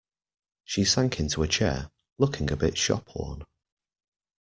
She sank into a chair, looking a bit shop-worn.